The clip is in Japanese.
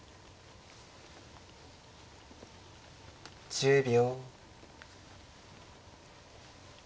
１０秒。